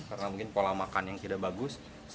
karena mungkin pola makan yang tidak bagus sama penyakit kulit